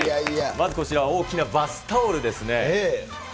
まずはこちら、大きなバスタオルですね。